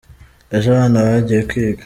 Ejo abana bagiye kwiga.